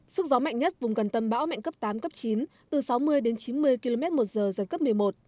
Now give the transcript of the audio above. sức gió mạnh nhất vùng gần tâm bão mạnh cấp tám cấp chín từ sáu mươi đến chín mươi km một giờ giật cấp một mươi một